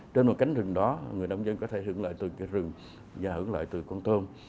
trên một cánh rừng đó người nông dân có thể hưởng lợi từ cái rừng và hưởng lợi từ con tôm